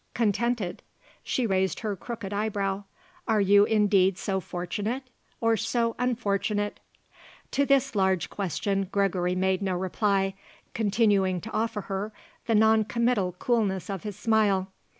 "Contented?" she raised her crooked eyebrow. "Are you indeed so fortunate? or so unfortunate?" To this large question Gregory made no reply, continuing to offer her the non committal coolness of his smile.